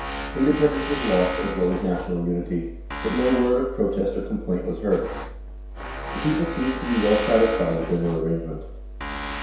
Independence was lost as well as national unity, but no word of protest or complaint was heard. The people seemed to be well satisfied with the new arrangement.